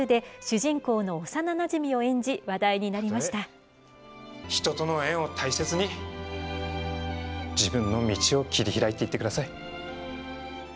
人との縁を大切に、自分の道を切り開いていってください。